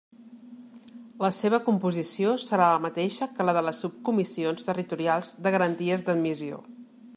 La seva composició serà la mateixa que la de les subcomissions territorials de garanties d'admissió.